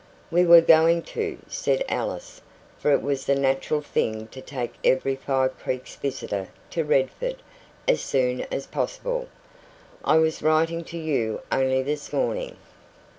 "We were going to," said Alice; for it was the natural thing to take every Five Creeks visitor to Redford as soon as possible. "I was writing to you only this morning."